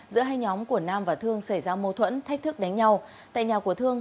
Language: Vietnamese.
giữa hai nhóm của nam và thương xảy ra mâu thuẫn thách thức đánh nhau tại nhà của thương